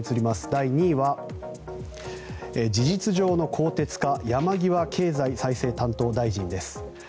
第２位は、事実上の更迭か山際経済再生担当大臣です。